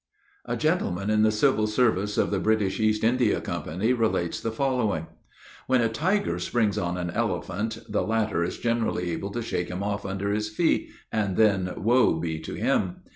A Gentleman in the civil service of the British East India Company, relates the following: "When a tiger springs on an elephant, the latter is generally able to shake him off under his feet, and then woe be to him.